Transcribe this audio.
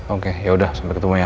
oke yaudah sampai ketemu ya